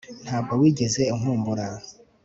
ntabwo wigeze unkumbura